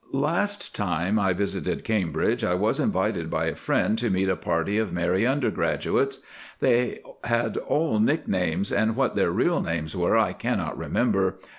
Last time I visited Cambridge I was invited by a friend to meet a party of merry undergraduates. They had all nicknames, and what their real names were I cannot remember.